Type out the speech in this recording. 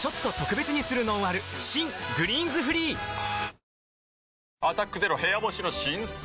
新「グリーンズフリー」「アタックＺＥＲＯ部屋干し」の新作。